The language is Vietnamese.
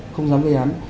không dám gây án